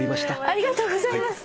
ありがとうございます。